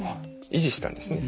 維持したんですね。